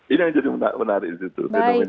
ini yang jadi menarik disitu